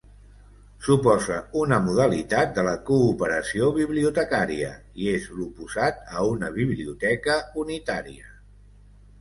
Suposa una modalitat de la cooperació bibliotecària i és l'oposat a una biblioteca unitària.